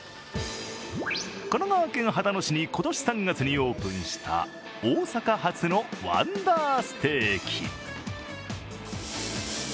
神奈川県秦野市に今年３月にオープンした、大阪発のワンダーステーキ。